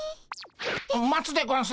待つでゴンス。